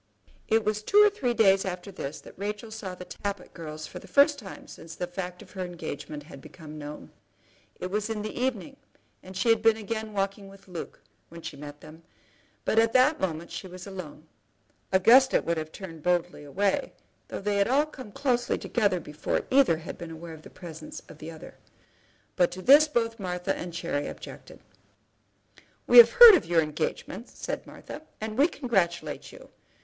It was two or three days after this that Rachel saw the Tappitt girls for the first time since the fact of her engagement had become known. It was in the evening, and she had been again walking with Luke, when she met them; but at that moment she was alone. Augusta would have turned boldly away, though they had all come closely together before either had been aware of the presence of the other. But to this both Martha and Cherry objected. "We have heard of your engagement," said Martha, "and we congratulate you.